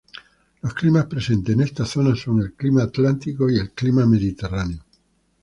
Los climas presentes en esta zona son el clima atlántico, y el clima mediterráneo.